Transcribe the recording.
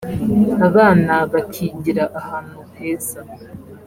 abana bakigira ahantu heza